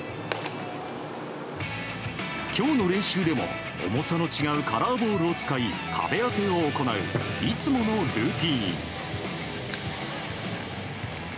今日の練習でも重さの違うカラーボールを使い壁当てを行ういつものルーティン。